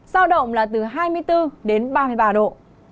giao động là từ hai mươi bốn đến ba mươi ba độ